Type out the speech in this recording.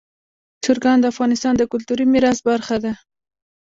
چرګان د افغانستان د کلتوري میراث برخه ده.